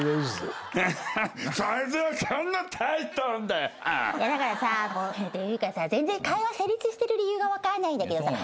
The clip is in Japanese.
だからさていうかさ全然会話成立してる理由が分かんないんだけどさ。